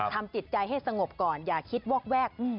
ทำจิตใจให้สงบก่อนอย่าคิดวอกแวก